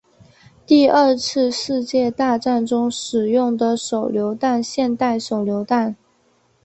第二次世界大战中使用的手榴弹现代手榴弹